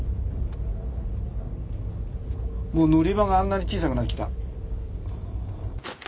もう乗り場があんなに小さくなってきた。